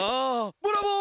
オブラボー！